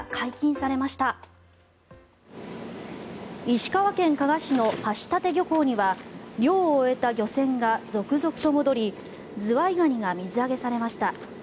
石川県加賀市の橋立漁港には漁を終えた漁船が続々と戻りズワイガニが水揚げされました。